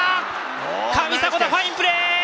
上迫田のファインプレー！